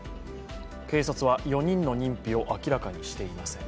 警察は４人の認否を明らかにしていません。